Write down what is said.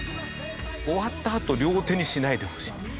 終わったあと両手にしないでほしい。